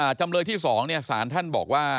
จำเลยที่๒สารท่านบอกว่า